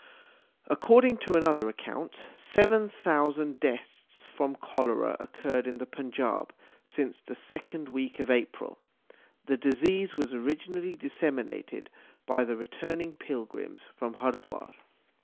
According to another account, * seven thousand deaths from cholera occurred in the Punjab since the second week of April. The disease was originally disseminated by the returning pilgrims from Hardwar.